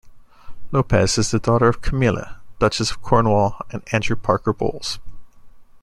Lopes is the daughter of Camilla, Duchess of Cornwall, and Andrew Parker Bowles.